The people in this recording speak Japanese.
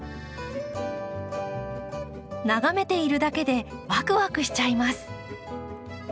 眺めているだけでワクワクしちゃいます。